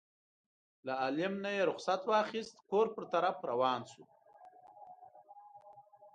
له عالم نه یې رخصت واخیست کور په طرف روان شو.